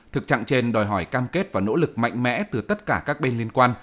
thực trạng trên đòi hỏi cam kết và nỗ lực mạnh mẽ từ tất cả các bên liên quan